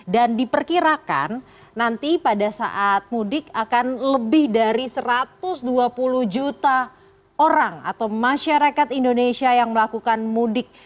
dan diperkirakan nanti pada saat mudik akan lebih dari satu ratus dua puluh juta orang atau masyarakat indonesia yang melakukan mudik